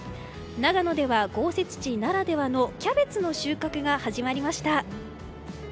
長野では豪雪地ならではのキャベツの収穫が始まりました。